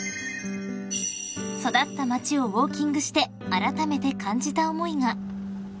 ［育った街をウオーキングしてあらためて感じた思いが］